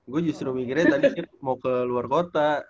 gue justru mikirnya tadi mau ke luar kota